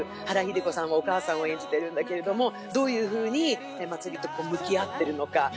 原日出子さんがお母さんを演じてるんだけど、どういうふうに茉莉と向き合っているのか。